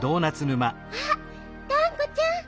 あっがんこちゃん。